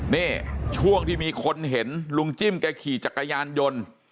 นี่ช่วงที่มีคนเห็นลุงจิ้มแกขี่จักรยานยนต์